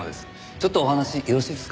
ちょっとお話よろしいですか？